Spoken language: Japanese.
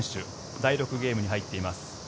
第６ゲームに入っています。